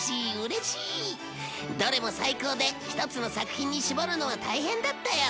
どれも最高で一つの作品に絞るのは大変だったよ。